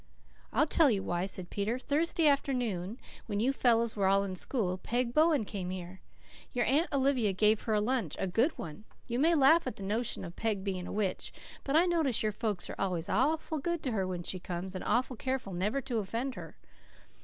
"I'll tell you why," said Peter. "Thursday afternoon, when you fellows were all in school, Peg Bowen came here. Your Aunt Olivia gave her a lunch a good one. You may laugh at the notion of Peg being a witch, but I notice your folks are always awful good to her when she comes, and awful careful never to offend her."